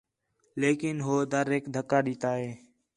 لیکن ہو دریک دَھکا ݙِتّا ہِے